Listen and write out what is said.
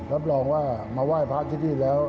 รับรองว่ามาไหว้พระที่นี่แล้ว